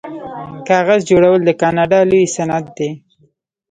کاغذ جوړول د کاناډا لوی صنعت دی.